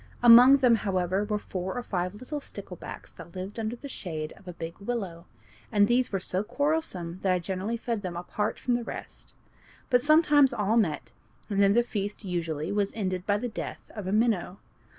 Among them, however, were four or five little sticklebacks that lived under the shade of a big willow, and these were so quarrelsome that I generally fed them apart from the rest. But sometimes all met, and then the feast usually was ended by the death of a minnow.